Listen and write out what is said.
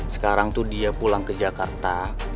sekarang tuh dia pulang ke jakarta